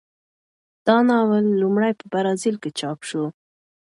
دا ناول لومړی په برازیل کې چاپ شو.